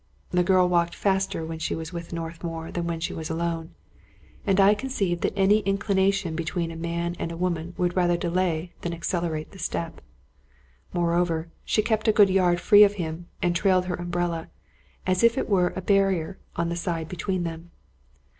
The girl walked faster when she was with North mour than when she was alone; and I conceived that any inclination between a man and a woman would rather delay than accelerate the step. Moreover, she kept a good yard free of him, and trailed her umbrella, as if it were a bar rier, on the side between them.